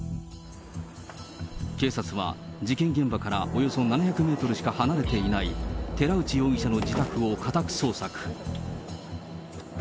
警察は、事件現場からおよそ７００メートルしか離れていない寺内容疑者の自宅を家宅捜索。